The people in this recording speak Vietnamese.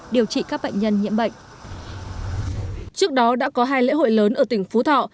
điều trị các bệnh nhân nhiễm bệnh trước đó đã có hai lễ hội lớn ở tỉnh phú thọ